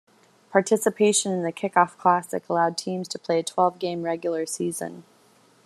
Participation in the Kickoff Classic allowed teams to play a twelve-game regular season.